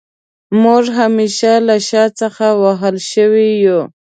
موږ همېشه له شا څخه وهل شوي يو